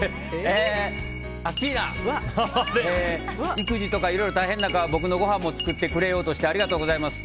アッキーナ、育児とかいろいろ大変な中僕のごはんも作ってくれようとしてありがとうございます。